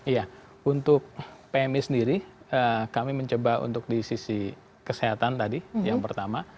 iya untuk pmi sendiri kami mencoba untuk di sisi kesehatan tadi yang pertama